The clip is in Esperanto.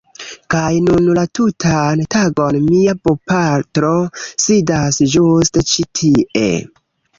Kaj nun la tutan tagon mia bopatro sidas ĝuste ĉi tie